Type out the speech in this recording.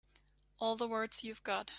All the words you've got.